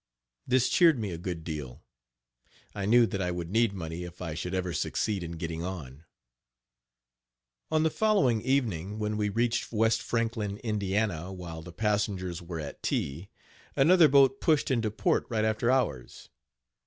This cheered me a good deal. I knew that I would need money if I should ever succeed in getting on. On the following evening, when we reached West Franklin, Indiana, while the passengers were at tea, another boat pushed into port right after ours.